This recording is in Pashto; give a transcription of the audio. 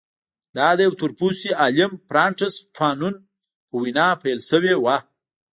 دا د یوه تور پوستي عالم فرانټس فانون په وینا پیل شوې وه.